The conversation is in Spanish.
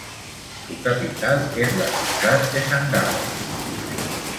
Su capital es la ciudad de San Galo.